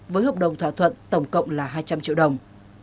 với hợp đồng thỏa thuận tổng cộng là hai trăm linh triệu đồng